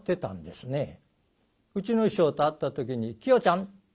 うちの師匠と会った時に「きよちゃん」。